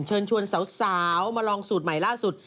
เชิญชวนสาวมาลองสูตรใหม่ล่าสุด